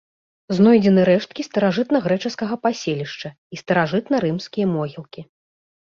Знойдзены рэшткі старажытнагрэчаскага паселішча і старажытнарымскія могілкі.